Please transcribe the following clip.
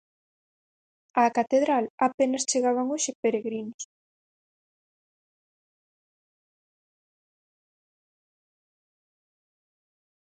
Á catedral apenas chegaban hoxe peregrinos.